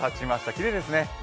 きれいですね。